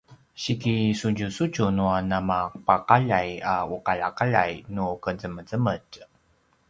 sikisudjusudju nua namapaqaljay a uqaljaqaljay nu qezemezemetj